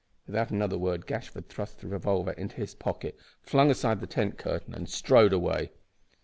Without another word Gashford thrust the revolver into his pocket, flung aside the tent curtain, and strode away.